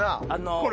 これ。